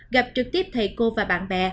gặp trực tiếp thầy cô và bà